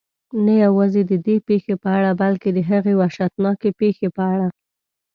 نه یوازې ددې پېښې په اړه بلکې د هغې وحشتناکې پېښې په اړه.